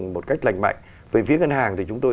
một cách lành mạnh về phía ngân hàng thì chúng tôi